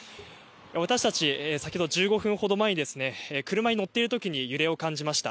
私たち先ほど１５分ほど前にですね、車に乗っているときに揺れを感じました。